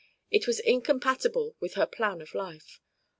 It was incompatible with her plan of life.